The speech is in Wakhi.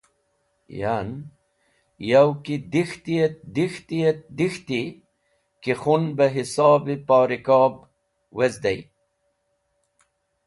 Yan, yow ki dek̃hti et dek̃hti et dek̃hti ki khũn-e hisob poh beh rikob wezdey.